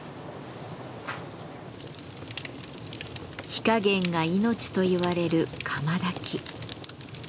「火加減が命」といわれる釜焚き。